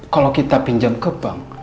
kalau kita pinjam ke bank